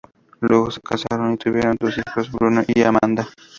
Luego, se casaron y tuvieron dos hijos: Bruno y Amanda.